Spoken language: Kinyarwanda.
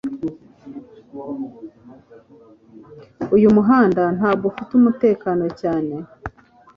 Uyu muhanda ntabwo ufite umutekano cyane